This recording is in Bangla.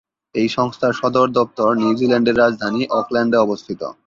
এই সংস্থার সদর দপ্তর নিউজিল্যান্ডের রাজধানী অকল্যান্ডে অবস্থিত।